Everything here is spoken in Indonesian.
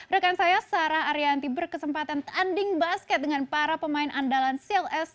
rekan saya sarah arianti berkesempatan tanding basket dengan para pemain andalan cls